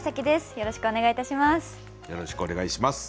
よろしくお願いします。